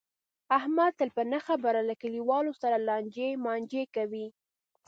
احمد تل په نه خبره له کلیواو سره لانجې مانجې کوي.